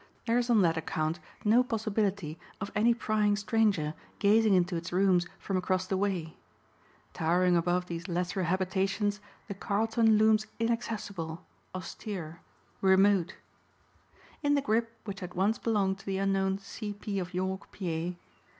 There is on that account no possibility of any prying stranger gazing into its rooms from across the way. Towering above these lesser habitations the Carlton looms inaccessible, austere, remote. In the grip which had once belonged to the unknown "C. P. of York, Pa."